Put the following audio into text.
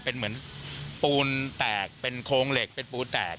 เป็นเหมือนปูนแตกเป็นโครงเหล็กเป็นปูนแตก